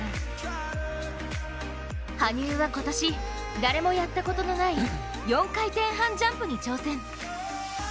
羽生は今年、誰もやったことのない４回転半ジャンプに挑戦。